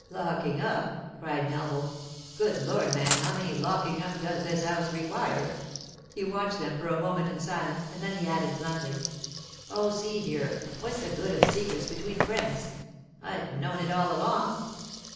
'Locking up!' cried Melville. 'Good Lord, man, how many locking ups does this house require?' He watched them a moment in silence, and then he added bluntly: 'Oh, see here, what's the good of secrets between friends? I've known it all along.